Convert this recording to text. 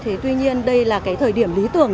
thế tuy nhiên đây là cái thời điểm lý tưởng